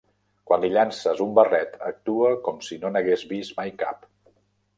Quan li llances un barret, actua com si no n'hagués vist mai cap.